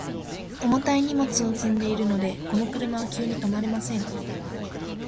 重たい荷物を積んでいるので、この車は急に止まれません。